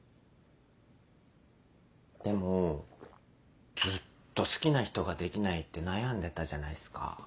でもずっと好きな人ができないって悩んでたじゃないっすか。